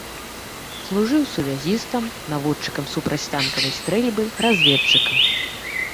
Служыў сувязістам, наводчыкам супрацьтанкавай стрэльбы, разведчыкам.